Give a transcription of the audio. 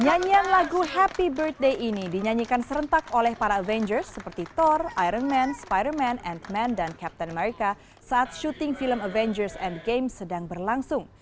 nyanyian lagu happy birthday ini dinyanyikan serentak oleh para avengers seperti thor iron man spider man ant man dan captain america saat syuting film avengers endgame sedang berlangsung